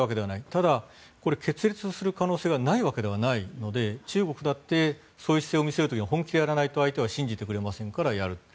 ただ、決裂する可能性がないわけではないので中国だってそういう姿勢を見せる時には本気でやらないと相手は信じてくれませんからやる。